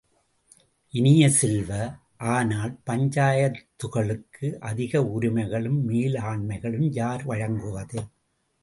இனிய செல்வ, ஆனால் பஞ்சாயத்துகளுக்கு அதிக உரிமைகளும் மேலாண்மைகளும் யார் வழங்குவது?